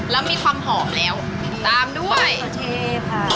แล้วมีความหอมแล้วตามด้วยโอเคค่ะ